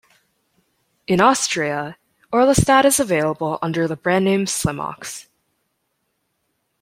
In Austria, orlistat is available under the brand name Slimox.